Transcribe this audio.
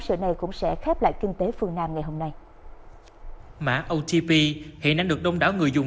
sự này cũng sẽ khép lại kinh tế phương nam ngày hôm nay mã otp hiện đang được đông đảo người dùng